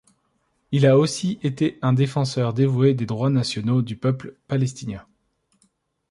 Il a aussi été un défenseur dévoué des droits nationaux du peuple palestinien.